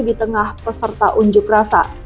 di tengah peserta unjuk rasa